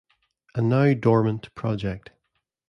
A now dormant project.